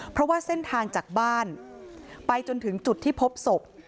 เพราะว่าเส้นทางจากบ้านไปจนถึงจุดที่พบศพ